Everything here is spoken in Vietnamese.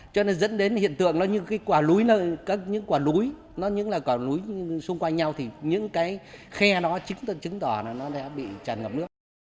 cho nên dẫn đến hiện tượng nó như cái quả núi những quả núi nó như là quả núi xung quanh nhau thì những cái khe đó chứng tỏ là nó đã bị tràn ngập nước